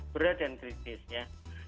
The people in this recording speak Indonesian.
berat dan kritis ya